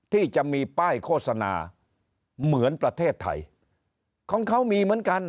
ที่จะมีป้ายโฆษณาเหมือนประเทศไทยของเขามีเหมือนกัน